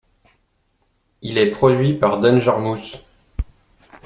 Il est produit par Danger Mouse.